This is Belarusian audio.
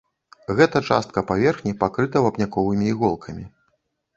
Гэта частка паверхні пакрыта вапняковымі іголкамі.